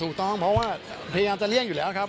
ถูกต้องเพราะว่าพยายามจะเลี่ยงอยู่แล้วครับ